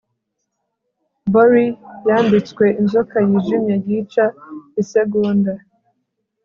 borie yambitswe inzoka yijimye yica, isegonda